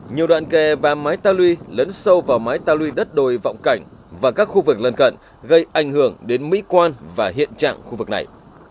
nhiều đoạn kè và máy ta lùi lấn sâu vào máy ta lùi đất đồi vọng cảnh và các khu vực lân cận gây ảnh hưởng đến mỹ quan và hiện trạng khu vực này